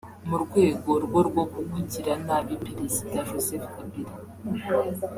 mu rwego rwo rwo kugirira nabi Perezida Joseph Kabila